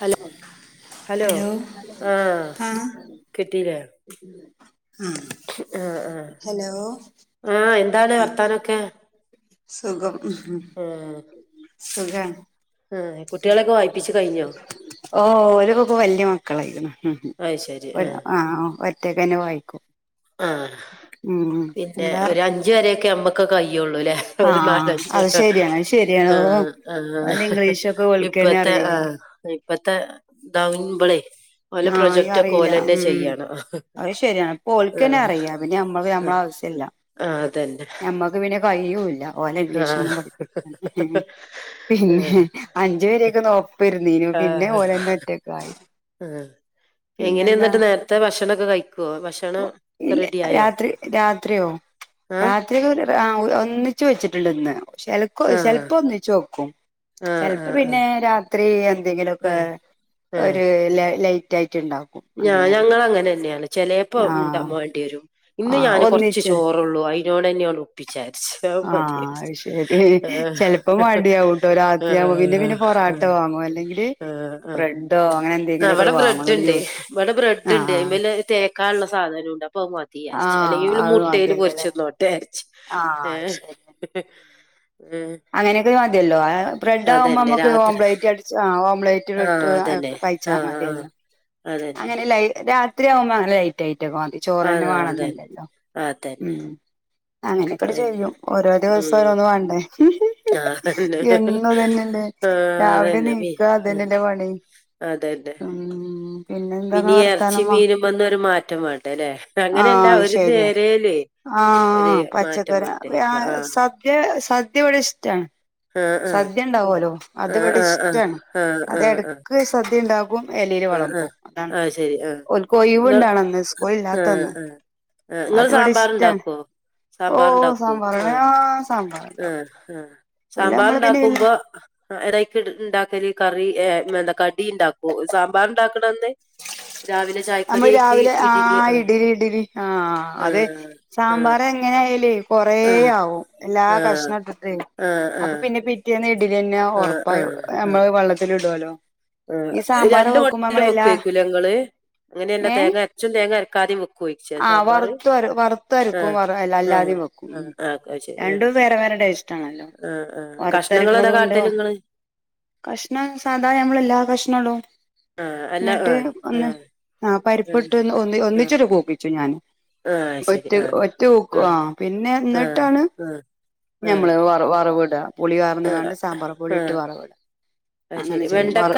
Hello ഉ hello ആ കിട്ടീലേ ആ ഹലോ ആ ആ എന്താണ് വർത്താനൊക്കെ സുഖം ആ സുഖാണ് വായിപ്പിച്ച് കഴിഞ്ഞോ ഓ ഓരുകൊക്കെ വല്യമക്കളായിക്ക്ണ് അത് ശരി ഉം ആഹ് ആ ആ ഒറ്റക്കെന്നെ വായിക്കും ആ ഉം പിന്നെ ഒരു എന്താർത്ത് അഞ്ച് വരോക്കെ നന്മക്ക് യൊള്ളുലേ ആഹ് അത് ഒരുനാല്ഞ്ചട്ടം ശരിയാണ് അത് ശരിയാണ് ആ ഓ ആ ഓലെ ഹെ ഹെ ഇംഗ്ലീഷൊക്കെ ഓൽക്കന്നെ ഇപ്പത്തെ ആ അറിയുള്ളൂ ഇപ്പത്തെ ദാവുമ്പളെ ആഹ് യ്യറീലാ ഉം അയ് ശര്യാണ് പോഓലക്കെന്നെ ആഹ് അറിയാ പിന്നെ നമ്മള് ആഹ് നമ്മളാ ശല്യ ആഹ് അതന്നെ നന്മക്ക് പിന്നെ കയ്യൂ ഓലെ ആഹ് ഇംഗ്ലീഷൊന്നും പഠിപ്പിക്ക പിന്നെ അഞ്ച് ആഹ് വരേക്കെ ഒപ്പരിന്നീന്നു പിന്നെ ഓലന്നെ ഒറ്റകായി ഉം എങ്ങനെ ന്നിട്ട് നേരത്തെ ഭക്ഷണൊക്കെ കഴിക്കോ ഭക്ഷണം ക്കെ ഇല്ല റെഡിആയോ രാത്രി ഒര് ഒന്നിച്ചു വെച്ചിട്ടുണ്ട് ന്ന് ചിലപ്പ ആഹ് ചെിലപ്പം ഒന്നച്ച് വെക്കും ആഹ് ചെിലപ്പോ ആഹ് ആഹ് പിന്നേ രാത്രി എന്തെങ്കിലൊക്കെ ആഹ് ഒര് ലാ ലൈറ്റായി. ഞാന ങ്ങ അങ്ങനെന്നേണ് ചെലേപ്പോ ണ്ടാ ആഹ് മേണ്ടിരും ഇന്ന് ആഹ് ഞാന് കുറച്ച് ഒന്നിച്ച് ചോറൊളളൂ അയിനോടെന്നെ ആണ്ട് ഒപ്പിച്ചാ ആ ശരി ആഹ് ചെലപ്പം മടിയാവുട്ടോ രാത്രിയാവുമ്പോ പിന്നെ പിന്നെ പൊറാട്ട ഫാമോ അല്ലെങ്കി ആ അ അ ഇവടെ വാങ്ങും എന്നിട്ട് ബ്രെഡ്ണ്ട് ജ്യൂസ് ഇവടെ ബ്രെഡ്ണ്ട് ആഹ് അയിമ്മലെ തേ ക്കാള്ള സാധനം ണ്ട് ഇപ്പ അത് മതിയാര്ച്ച് ആഹ് അല്ലെങ്കിപിന്നെ ആഹ് അത് മുട്ടേൽ മതിയല്ലോല്ലേ പൊരിച്ചിന്നോട്ടെ ചാര്ച്ച് ഏ ആഹ് ശരി ഹ്‌ ഹ് അങ്ങനെയൊക്കെ മതിഅല്ലോ ബ്രഡ്ആവുമ്പോ അതന്നെ നമ്മക്ക് രാത്രി ഓംപ്ലേറ്റ് അടിച്ച ഓം ആഹ് ഓംപ്ലേറ്റിലിട്ട് അ അതന്നെ ആഹ് ആഹ് കയ്ചാമതിയല്ലോ അതന്നെ അങ്ങനല്ലയ് രാ ത്രിവുമ്പോ അങ്ങനെ ലൈറ്റ് ആയിട്ടൊക്കെമതി ചോറ്ന്നെ അതാ അതന്നെ വേണെന്നില്ലല്ലോ അതന്നെ ഉം അങ്ങനെക്കെ ടെ അതന്നെ ചെയ്യും ഓരോ ദിവസം ഉം ഓരോന്ന് വേണ്ടേ അതന്നെ എന്നുതന്നെല്ലേ ആഹ് രാവിലെ നീക്കാ തന്നെല്ലേ പണി അതെന്നെ ഉം പിന്നെന്താങ്ങളെ പിന്നീ ഈ എറച്ചി വർത്താനമ്മ മീനും വന്നാ ഒരു മാറ്റം വേംണ്ടലെ അങ്ങനെല്ല ഒരു ന്നേരേലൊയ് ആപച്ചക്കറി പ്യാ ആഹ് സദ്യ സദ്യ ഇവിടെ ഇഷ്ടാണ് ആഹ് സദ്യ ഉണ്ടാവുലോ അത് ആഹ് ഇവിടെ ആഹ് ഇഷ്ടാണ് ആഹ് അത് എടക്ക് സദ്യ ഉണ്ടാകു ആആ ആശരി അ ഓൽക്ക് ങ്ങള് ഒഴിവുണ്ടാണന്ന് സ്കൂൾ ആ ഇല്ലാത്തന്ന് അ ആ ങ്ങൾ അത് ഇവിടെ സാമ്പാർ ഇഷ്ടാണ് ണ്ടാക്കോ ഓ സാമ്പാറ്ണ്ടാക്കോ സാമ്പാറാണ് ആആ ആ സാമ്പാറുണ്ടാവും ആ എല്ലാം സാമ്പാർ നമ്മള് പിന്നെ ണ്ടാക്കുമ്പോ എടയ്ക്ക് ണ്ടാക്കല് കറി ഏ മ്ന്താ കടി ണ്ടാക്കോ സാമ്പാർണ്ടാക്ക്ണന്ന് മ്മള് രാവിലെ ആ ആഹ് ഇഡ്‌ലി ഇഡ്‌ലി ആ അതെ ആഹ് സാമ്പാർ എങ്ങനെ കൊറേ ആഹ് ആവും എല്ലാ ആഹ് കഷണം ഇട്ടട്ട് ആഹ് ആഹ് അപ്പൊ പിന്നെ പിറ്റേന്ന തന്നെ ആഹ് ഉറപ്പായി നമ്മള് വെള്ളത്തി ഇടുല്ലോ ആ രണ്ട് മൊട്ടിലും വെക്കുവേ നിങ്ങള് അങ്ങനെയല്ല തേങ്ങ അരച്ചും തേങ്ങ അരക്കാതെയും വെക്കും ആവറുത്ത് ആ വറുത്തരക്കും ആ അല്ലാതയും വെക്കും ആ ആ അത് ശരി ആ രണ്ടു വേറെ വേറെ ഇഷ്‌ടാണല്ലോ ആ ആ കഷ്ണങ്ങൾ ഏതാ വർത്തരക്കണതും ഉണ്ട് കാട്ടല് ഇങ്ങള് കഷണം സാധാ എല്ലാ കഷണവും ആ അല്ല ഇടും ആ ആ എന്നിട്ട് ആ പരിപ്പെട്ട് ഒന്നി ഒന്നിച്ചിട്ട് കോപ്പിച്ചു ഞാന് ആ അത് ശരി ഒറ്റ ആ ഒറ്റൂക്ക ആ പിന്നെ ആ ആ എന്നിട്ടാണ് ആ ആ ഞമ്മള് വറു വറുവിട പുളി കാരന്നതാണ്ട് സാമ്പാർ പൊടി ആ ഇട്ട് വറുവിടാ അത് അങ്ങനെ ശരി ചെയ്യും വെണ്ടക്ക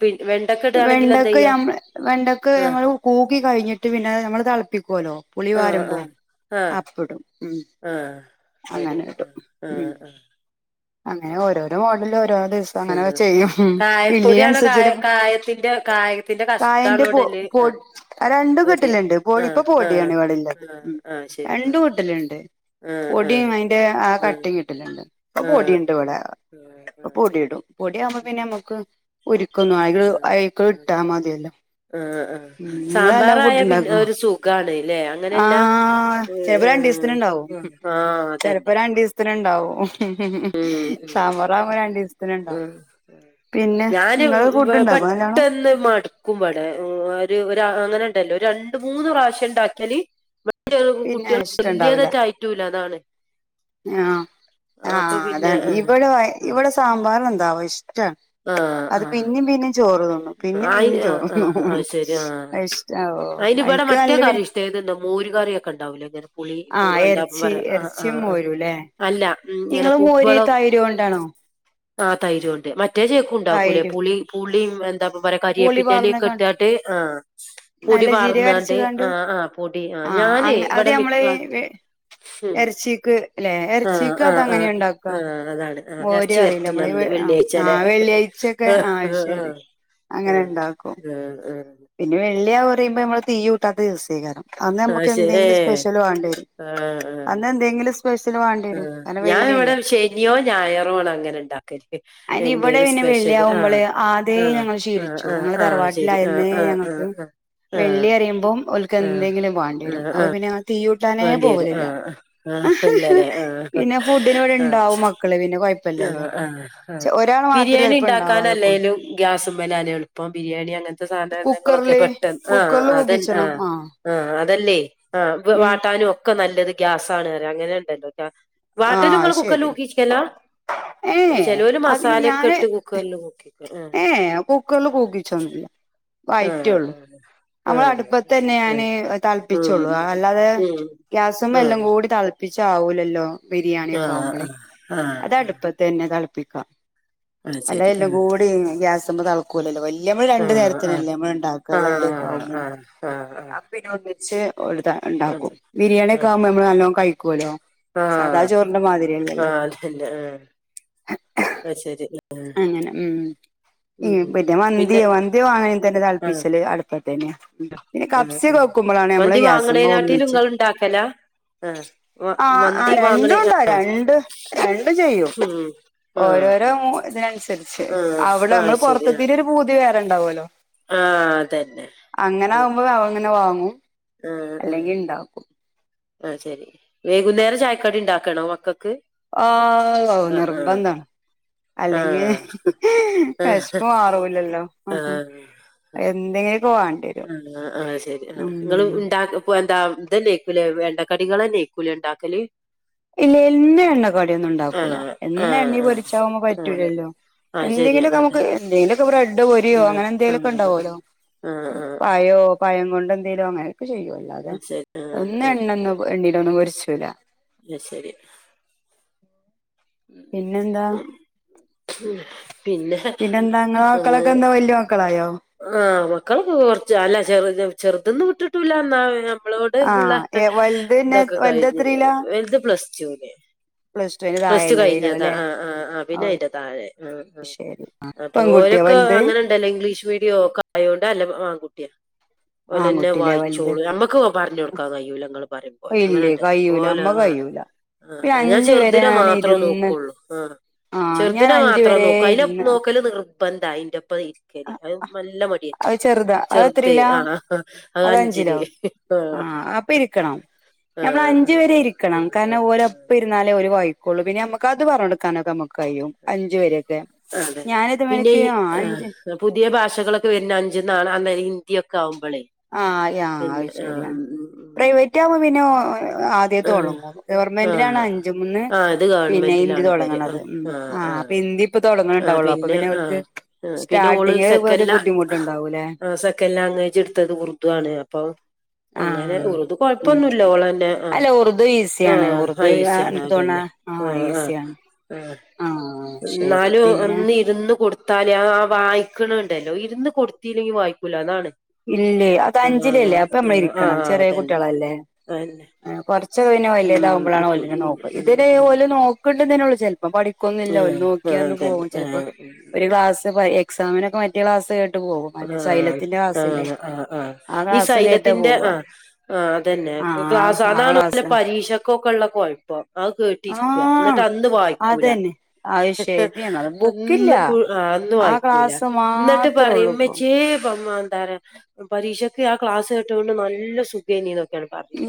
പി വെണ്ടക്ക ഇടാണെങ്കിൽ എന്താ ചെയ്യാ ആ വെണ്ടക്ക്മ്മൾ പൂക്കിക്കഴിഞ്ഞിട്ട് പിന്നെ നമ്മള് തിളപ്പിക്കുവല്ലോ പുളി ആ ആ വാരുമ്പോൾ അപ്പോ ഇടും അതെ ആ ഉം അങ്ങനെ ഓരോരോ മോഡല് ഓരോ ആ അങ്ങനെ ആ ചെയ്യും ഇള്ള കായപ്പൊടിയാണോ കായ അനുസരിച്ച് കായത്തിന്റെ കായത്തിന്റെ കായന്റെ കഷ്ണാണോ ഇടല് ആ പൊടി രണ്ടു പൊടി കെട്ടലുണ്ട് ആഹ് കോഴിപ്പ ആഹ് പൊടിയാണ് ഇവിടെള്ളത് ആഹ് ഉം ആഹ് ശരി രണ്ട് ആഹ് കൂട്ടിലുണ്ട് ആഹ് പൊടിയും അതിന്റെ ആ ആഹ് കട്ടി കിട്ടിലണ്ട് അപ്പൊ ആഹ് പൊടിയുണ്ട് ഇവിടെ ആഹ് ആഹ് പൊടി ഇടും പൊടിയാവുമ്പോ പിന്നെ നമുക്ക് ഒരുക്കുന്നു ആകെ ആഹ് ആഹ് അയക്കൾ ഇട്ടാ മതിയല്ലോ ആഹ് ആഹ് ആഹ് ഉം നിങ്ങളു നല്ല സാമ്പാറായ ഫുഡ് പിന്നെ ഉണ്ടാക്കുവോ ഒരു സുഖാണ് ല്ലേ ആ അങ്ങനെയല്ല ചിലപ്പോ രണ്ട് ആഹ് ദിവസത്തിന് ഉണ്ടാവും ആഹ് ചെലപ്പോൾ അതന്നെ രണ്ടു ദിവസത്തിന്ണ്ട ണ്ടാവും ഉം ഉം സാമ്പാറു ആകുമ്പോൾ രണ്ടു ദിവസത്തിന് ഉണ്ടാവും ഉം ഞാന് പെട്ടെന്ന് മടുക്കുമ്പടെ ഒരു അങ്ങനെ ല്ല രണ്ടുമൂന്ന് പ്രാവശ്യം ഉണ്ടാക്കിയാല് പിന്നെ കുട്ടികൾ വല്യതട്ടായിറ്റല്ല അതാണ് ആ ആആ അപ്പൊ പിന്നെ അതാണ് ഇവിടെ ഇവിടെ സാമ്പാറ് എന്താവോ ഇഷ്ട ആ ആ അത് ആ പിന്നെയും പിന്നെയും ചോറ് തിന്നും പിന്നെയും ആയി പിന്നെയും ആ ചോറു ആ തിന്നും അത് ശരി ആ അത് ഇഷ്‌ടാ അതിന് ഇവിടെ മറ്റെ കറി ഇഷ്ടാ ഏതന്നോ മോര് കറിയ ഒക്കെ ഉണ്ടാവല്ലോ ങ്ങനെ പുളി ആഹ് എന്താപ്പ എറച്ചി പറയാ ആ് എറച്ചിയും ആആ് മോരുംല്ലേ അല്ല ഇങ്ങനെ ഇങ്ങള് മോര് കുമ്പളം തൈര് കൊണ്ടാണോ ആ തൈര് കൊണ്ട് മറ്റ മറ്റേച്ചേക്കും ഇണ്ടാക്കൂല്ലേ തൈര് പുളി പുള്ളീം എന്താപ്പം പറിയാ പുളി കറിയേപ്പിന്റെല ഒക്കെ പാർന്ന്ക്കാണ്ട് ഇട്ടാട്ട് ആഹ് പൊടി നല്ല ജീരകം പാർന്നാണ്ട് അരച്ച്കാണ്ട് ആ ആഹ് പൊടി ആ ആഹ് ഞാന് അങ്ങ അത് ഇവിടെ വി നമ്മള് അ ഹും എറച്ചിക്ക് ല്ലേ ആ എറച്ചിക്ക് ആ അത് ആ അങ്ങനെ ഉണ്ടാക്ക ആ അതാണ് ആഹ് മോര് ഇറച്ചി അറിയില്ലേ വര്റ്റ്ന്നന്ന് നമ്മള് വെള്ളിയാഴ്ച്ചല്ലേ ആഹ് വെള്ളിയാഴ്ചൊക്കെ ആ ശരി ആഹ് അങ്ങനെ ആഹ് ഉണ്ടാക്കും ആ ആ പിന്നെ വെള്ളിയാ പറയുമ്പോ നമ്മള് തീയ്യൂട്ടാത്ത ദിവസ് സെക്കാരം അന്ന് ആഹ് നമുക്ക് ശെ എന്തെങ്കിലും ഏഹ് സ്പെഷ്യൽ വേണ്ടേരും അന്ന് എന്തെങ്കിലും സ്പെഷ്യൽ വേണ്ടി ആ വരും കാരണം ഞാൻ ഇവിടെ വെള്ളിയല്ലേ ശനിയോ ഞായറോ ആണ് അങ്ങനെണ്ടാക്കല് എന്തേലും സ് വെള്ളിയാവുമ്പളേ ആദ്യാ ഞങ്ങൾ ആഹ് ശീലിച്ചു ആഹ് ഞങ്ങള് ആഹ് ശരി ആഹ് തറവാട്ടിലായന്നേ ന്നേ ആഹ് ഞങ്ങക്ക് ആഹ് ആഹ് വെള്ളി അറിയുമ്പോ ഓല്ക്ക് എന്തെങ്കിലും വേണ്ടിരും അപ്പോ പിന്നെ ഞങ്ങൾ തി വേണ്ടിരും ആ ആ ഇല്ലല്ലേ ആഹ് പിന്നെ ഫുഡിന് ഇവിടെ ആഹ് ഇണ്ടാവും മക്കള് പിന്നെ ആ കൊഴപ്പല്ലല്ലോ ആ ആ ഒരാൾ മാത്രേ ബിരിയാണി ചെലപ്പോ ഇണ്ടാവും അതൊക്കൊള്ളൂ ഇണ്ടാക്കാനല്ലേലും ഗ്യാസുമ്മേലാലെ എളുപ്പം ബിരിയാണി അങ്ങന് ത്തെ സാധനങ്ങളൊക്കെ കുക്കറില് പെട്ടെന്ന് ആ കുക്കറില് അത് ആ കൂക്കിച്ചണം ആഹ് ആ അതല്ലേ ആ വാ ഉം ട്ടാനൊക്കെ നല്ലത് ഗ്യാസാണ്റിയ അങ്ങനെണ്ടല്ലോ വാട്ടല് ആഹ് ഇങ്ങള് കുക്കറില് ശരി കൂക്കീച്ചലാ ഏഹ് ചെലൊര് മസാലൊക്കെട്ട് കുക്കറ്ല് കൂക്കി ഏഹേ കുക്കറ്ല് കൂക്കിച്ചെന്നുല്ല ആഹ് വയറ്റൊള്ളു ആഹ് ആഹ് നമ്മള് ആഹ് അത് അട്പ്പത്തേന്നെ ശരി ആഹ് ഞാന് ഉം തളപ്പിച്ചോള്ളു അല്ലാതെ ഉം ഗ്യാസ്മ്മേ ഉം എല്ലംകൂടി തളപ്പിച്ച് ആവൂലല്ലോ ബിരിയാണിയൊക്കെ ആഹ് ആവുമ്പളേ ആഹ് ആഹ് അത് ആഹ് അടുപ്പത്ത് തന്നെ തളപ്പിക്ക അത് ശരി ആഹ് ഗ്യാസ്മ്മേ തളക്കൂല്ലല്ലോ വല്യമ്മേ രണ്ട് ആഹ് ആഹ്. നേരത്തിനല്ലേ നമ്മള്ണ്ടാക്ക വെള്ളിയൊക്കെ ആഹ് ആവുമ്പളേ ആഹ് ആഹ് ആഹ്. അപ്പ പിന്നെ ഒന്നിച്ച് ഒരിത് ആഹ്. ഇണ്ടാക്കും ബിരിയാണിയൊക്കെ ആഹ്. ആവുമ്പോ നമ്മള് നല്ലോണം കഴിക്കല്ലോ സാധാ ആഹ്. ചോറിന്റെ മാതിരില്ലല്ലോ ആഹ് അതന്നെ ആഹ്. അത് ശെരി ആഹ് ഉം പിന്നെ മന്തി മന്തി വാണെങ്കി തന്നെ ആഹ് തളപ്പിച്ചല് അടുപ്പത്തേനേ ഉം പിന്നെ ആഹ് കപ്സൊക്കേ ആഹ്. വെക്കുമ്പോളാണ്‌ നമ്മള് മന്തി ഗ്യാസ്മ്മേ വാങ്ങണേനാട്ടിലും ഒന്നിച്ച് ഇങ്ങള് ഇണ്ടാക്കലാ? ആഹ്. വ ആ ആ മന്തി വാങ്ങണേ ആ രണ്ടുംണ്ടാ രണ്ട് രണ്ട് ചെയ്യും ഉം. ഓ ആഹ് ഓരോ ആഹ്. മൂ ഇതിനനുസരിച്ച് ആഹ് അവിടെ ആഹ് നമ്മള് ശരി ആഹ്. പുറത്തെത്തിയിന്റോരു പൂതി വേറെണ്ടാവോലോ ആഹ് അതന്നെ. അങ്ങനെ അതന്നെ. ആവുമ്പോ അങ്ങനെ വാങ്ങ് ങ്ങും അല്ലെങ്കിൽ ഇണ്ടാക്കും അത് ശെരി വൈകുന്നേരം ചായക്കടിണ്ടാക്കണോ മക്കക് ആ അഹ് നിർബന്ധാണ് അല്ലെങ്കി ആഹ് ആഹ് വെശപ്പ് മറൂല്ലല്ലോ ആഹ് എന്തെങ്കിക്കെ വാണ്‌ ആ അത് ശരി ആ നിങ്ങൾ ഇൻണ്ടാക്ക പോ ഇപ്പന്താ ഇതന്നെക്കൂലെ എണ്ണ കടികളെന്നെക്കൂലെ ഇണ്ടാക്കല് ഇല്ല എന്നും എണ്ണകട്യന്നും ഇണ്ടാക്കൂല ആഹ് എന്നും ആഹ് എണ്ണീ ആഹ് പൊരിച്ചാവുമ്പോ ആഹ് പറ്റൂലല്ലോ ആഹ് ശരിയാ എന്തെങ്കിലുമക്കെ നമുക്ക് അതന്നെ എന്തെങ്കിലുമൊക്കെ ബ്രെഡ് പൊരിയോ ആഹ് അങ്ങനെ എന്തെങ്കിലൊക്കെ ആഹ് ഇണ്ടാവല്ലോ ആഹ് ആഹ് ആഹ് പഴോ പയം കൊണ്ട്ന്ത് ങ്കിലും അങ്ങനെയൊക്കെ ചെയ്യും അല്ലാതെ ആ ശരി ആഹ് എന്നും എണ്ണന്ന് എണ്ണേലൊന്നും പൊരിച്ചൂല അയ്ശേരി പിന്നെന്താ പിന്നെ പിന്നെന്താ ഇങ്ങളെ മക്കളൊക്കെ ആഹ് എന്താ വല്യ മക്കളായോ ആഹ് മക്കളൊക്ക കൊറച്ച് അല്ല ചെറ് ചെറുതിന്ന് വിട്ട്ട്ടൂല്ല എന്നാ പിന്നെ മ്മളോട് ഉള്ള ആഹ് ഏ വലുത് പിന്നെ ഇതൊക്കെ വലുത് കഴിഞ്ഞ് എത്രയിലാ വലുത് പ്ലസ്ടു ന് പ്ലസ് ടുവിന് പ്ലസ്ടു താഴെയുള്ളതേക്കാരം കഴിഞ്ഞതാ ല്ലേ ആ ആ ആ പിന്നെ അഹ് അയിന്റെ താഴെ ആഹ് ആഹ് ശരി അപ്പൊ പെൺകുട്ടിയാ ഓരൊക്കെ വലുത് അങ്ങനെണ്ടല്ലോ ഇംഗ്ലീഷ് മീഡിയൊ ഒക്കെ ആയോണ്ട് നല്ല മാ ആൺകുട്ട്യാ ഓല്ലെന്നേ ആൺകുട്ടില്ലേ വലുത് വായിച്ചോളൂ ഞമ്മകൊക്കെ പറഞ്ഞൊട്ക്കാൻ കയ്യൂല ഇങ്ങള് പറയുംപോല ഇല്ലേ അങ്ങനെണ്ടല്ലോ കയ്യൂല ഓല് അമ്മ ആ കയ്യൂല പിന്നെ ആഹ് ഞാൻ അഞ്ചു ചേറ് വരെ തിനെ ഞാൻ മാത്ര ഇരുന്ന് നോക്കൊള്ളൂ ആ ആഹ് ഞാൻ ചെറുതിനെ അഞ്ച് മാത്രം വരെ നോക്കു അയിന് ഇരുന്ന് നോക്കല് നിർബന്ധാ അയിന്റെ ഒപ്പം ഇരിക്കല് അത് നല്ല മടിയത്തിയാ അത് ചെറുതാ അത് എത്രിലാ അത് അഞ്ചിലോ ആ ആഹ അപ്പൊ ഇരിക്കണം ആ ഞമ്മൾ ആ ആ അഞ്ചു വരെ ഇരിക്കണം ആ കാരണം ആ ഓരപ്പ ഇരുന്നാലേ ഒരു വായിക്ക കൊള്ളു പിന്നെ നമുക്ക് അത് പറഞ്ഞോടുക്കാനോക്കെ ഞമ്മക് അതെ പിന്നെ ഞാനിതുവരക്ക് ഈ ആഹ് ആ അഞ്ച് പുതിയ ഭാഷകളൊക്കെ വരുന്ന അഞ്ച്ന്നാ അഹ് ഹിന്ദി ഒക്കെ ആ ആ അത് ശരിയാണ് ആഹ് പ്രൈവറ്റ് ആവുമ്പോ പിന്നെ ആദ്യ ആഹ് തുടങ്ങും ഗവർമെന്റിലാണ് ആഹ് അഞ്ചു മ്മന്ന് ആഹ് ഇത് പിന്നെ ഹിന്ദി ഗവൺമെന്റിലാണ് ഇവര് തുടങ്ണത് ആഹ് ഉം ആഹ് ആ ആഹ് അപ്പൊ ഹിന്ദി ഇപ്പൊ തുടങ്ങൾണ്ടാവുള്ളോ അപ്പൊ പിന്നെ ഓൽക്ക് ഏഹ് പിന്നെ ഓള് സ്റ്റാർട്ടിങ്ങില് സെക്കന്റ് ഒരു ലാ ബുദ്ധിമുട്ടുണ്ടാവൂലേ ആ സെക്കന്റ് ലാംഗ്വേജ് എടുത്തത് ഉറുദു ആണ് ഉറുദുണ് അപ്പൊ അങ്ങനെ ആഹ് ഉറുദു ഉം കൊഴപ്പൊന്നുമല്ല ഓളന്നെങ്ങനെ ആ അല്ല ഉറുദു ഈസിയാണ് ആഹ് ഉറുദു ആ ഈസിയാണ് എനിക്ക് തോന്നണ അതന്നെ ആ ആഹ ആഹ ഈസിയാണ് ആ ആ ഇ ശരി ന്നാലും പിന്നെ ഒന്ന് ഇരുന്ന് കൊടുത്താലേ ആ വായിക്കണണ്ട് ണ്ടല്ലോ ഇരുന്ന് കൊടുത്തില്ലെങ്കി വായിക്കൂല അതാണ് ഇ ല്ലേയ് അത് ആഹ് അഞ്ചിലല്ലേ അതാണ് അപ്പൊ നമ്മൾ ആഹ് ഇരിക്കണം ആഹ് ചെറിയ അതന്നെ കുട്ടിയെള്ളല്ലേ അതന്നെ കുറച്ച് കുറച്ചു കഴിഞ്ഞു ഉം ഉം വലിയതാവുമ്പോഴാണ്ഓലിനെ ഉം നോക്കൽ ഇതൊരു ഉം ഉം ഓൽ നോക്ക്ണ്ട് നന്നോള്ളൂ ചിലപ്പോ പണിക്കൊന്നും ല്ല ഓൽ ആഹ് നോക്കി ന്നെ ആഹ് പോകും തന്നെ ചിലപ്പോ ആഹ് ഒരു ഗ്ലാസ്സ് എക്സാമിനോക്കെ മറ്റേ ക്ലാസ് കേട്ട് പോകും അല്ലെങ്കി സൈലത്തിന്റെ ക്ലാസ്സ്‌ ആ ആ ആ ഈ സൈലയത്തിന്റെ പോവാ ആ് ആ അതന്നെ ആ ആ ക്ലാസ്സാണ് അതാണൊലെ ക്ലാസ് പരീക്ഷന്റെ ഓൾക്കൊക്കെ ഉള്ള കുഴപ്പം അത് ആ കേട്ടിരിക്കുക എന്നിട്ട് അന്ന് വായിക്കൂല അതന്നെ അത് ശരിയാണ് അത് ബുക്കില്ല അന്ന് അന്നും ആ വായിക്കൂല ക്ലാസ് ന്നിട്ട് മാത്രേ പറയും ഉള്ളൂ ഇപ്പൊ ഇമ്മച്ചിയെ എന്താ പരീക്ഷക്ക് ആ ക്ലാസ് കേട്ടോണ്ട് നല്ല സുഖേനീ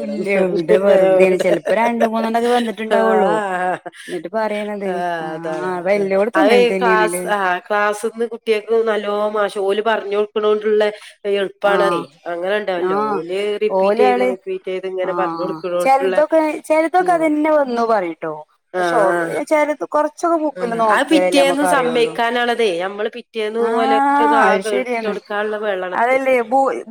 ഇല്ല ഇവിടെ വെറുതെയാണ് ചെലപ്പോ രണ്ട് മൂന്നെണ്ണൊക്കെ വന്നിട്ടുണ്ടാവുള്ളൂ ആ എന്നിട്ട് പറയണത് ആഹ് അതാണ് അത് എല്ലോടത്തും അത് അങ്ങനെ ക്ലാസ് തന്നെയാണല്ലേ ആ ക്ലാസ്ന്ന് കുട്ടിയെക്ക് നല്ലോം പഷേ ഓല് പറഞ്ഞു കൊടുക്കണണ്ടുള്ള എളുപ്പാണ ആഹ് അങ്ങനെ ഉണ്ടാവല്ലോ ആഹ് ല് റിപ്പീറ്റ് ചെയ്ത് ഓലാള് റിപ്പീറ്റ് ചെയ്ത് ഇങ്ങനെ പറഞ്ഞു കൊടുക്കണ്ടുള്ള ചെലധോക്കെ അതന്നെ വന്നു പറിട്ടോ ആ പക്ഷോ ചെലതു കൊറച്ചൊക്കെ ആ ആ ബുക്കില് അത് നോക്കിയെ പിറ്റേന്ന് സമ്മയിക്കാനണത് ഞമ്മള് പിറ്റേന്ന് പോല ഇട്ട ആഹ് അത് ശരിയാണ് കൊടുക്കാനുള്ള ബെളണത് അതല്ലേ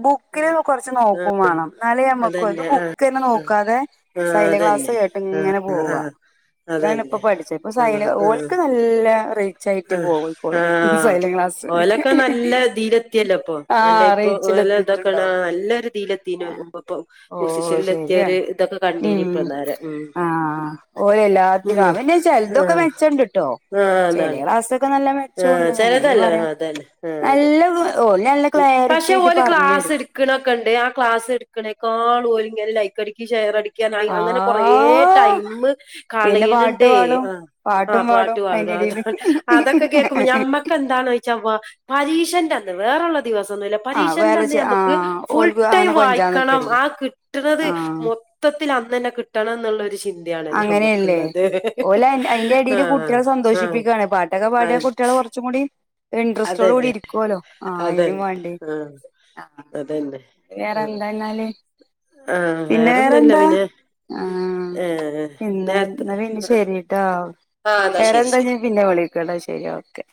ബുക്കില് കൊറച്ച് നോക്കും വേണം എന്നാലെ നമ്മക്കും ഇത് അതന്നെ ആ ബുക്ക് തന്നെ ആ നോക്കാതെ ആ സൈലം ക്ലാസ് അതന്നെ കേട്ട് ആ ഇങ്ങനെ ആ ആ പോവാ ഇതാണിപ്പം അതന്നെ പഠിച്ചത് ഇപ്പൊ ആ സൈല ആ ഓൽക്ക് നല്ല റിച്ച് ആയിട്ട് ആഹ് പോയ്ക്കോളും ആഹ് സൈലം ക്ലാസ് [unintelligible] യല്ല അ അല്ല ആഹ് ഇപ്പ നല്ല ഇതൊ റീച്ചിലെത്തിട്ടുണ്ടാവും നല്ല രീതിൽ പ്പൊ ഓ പൊസിഷനിൽ എത്തിയര് ശരിയാണ് ഇതൊക്കെ കണ്ടീനി ഉം ഇപ്പന്നാരെ ഉ ആഹ് ഓര് എല്ലാത്തിനും പിന്നെ ചെൽതൊക്കെ മേച്ചണ്ട്ട്ടോ ആഹ അതാണ് ആഹ അങ്ങനെയും ചെലതല്ലേ പറയാ അതല്ലെ ആ അദെ നല്ല ഓല് നല്ല ക്ലാരിറ്റി പക്ഷെ ആയിട്ട് ഓല് പറഞ്ഞു ക്ലാസ് തരും എടുക്കണൊക്കെ ഉണ്ട് ആ ക്ലാസ് എടുക്കണേക്കാൾ ഓര് ഇങ്ങനെ ലൈക് അടിക്ക് ഷെയർ അടിക്ക് അങ്ങനെ കൊറേ.. ആഹ് ടൈംമു പിന്നെ പാട്ട് കളയണ്ണ്ടേ പാടും ആ പാട്ടും ആഹ് പാട്ട് പാടും അത അതൊക്കെ കേക്കുമ്പോ അയിന്റെടീല് ഞമ്മക്ക് എന്താണന്നു വെച്ച പരീക്ഷൻ്റെന്ന് വേറള്ള ദിവസോ ന്നുല്ല ആ പരീക്ഷൻ്റെ വേല ന്ന് ചെ ആ നമുക്ക് ഫുൾ ഓൽക്ക് ടൈം അങ്ങനെ കൊഞ്ചാൻ വായിക്കണം നിക്കരുത് ആ കിട്ടുണത് ആ മൊത്തത്തിൽ അന്നന്നെ കിട്ടണം എന്നുള്ളൊരു ചിന്ത അങ്ങനെയല്ലേ ഓലെ അയിന്റെ ഇടെല് ആഹ് കുട്ടികളെ ആഹ് സന്തോഷിപ്പിക്കുകയാണ് പാട്ട് ക പാടിയ കുട്ടികൾ കുറച്ചും കൂടി ഇൻട്രസ്റ്റോട് അതന്നെ കൂടി ഇരിക്കുവല്ലോ ആ അതിനും അതന്നെ വേണ്ടേ ആഹ് അതന്നെ ആഹ് വേറെന്താന്നാല് ആഹ് പിന്നെ വേറെ വേറൊന്നുല്ല എന്താ പിന്നെ ആഹ ഏഹ് പിന്ന നേരത്തെ ഇ പിന്നെ ശരിട്ടോ ആഹ് എന്നാ വേറെ ശരി എന്താ ശരി ഇനി പിന്നെ വിളിക്ക് ട്ടോ ടാ ശരി ഓക്കെ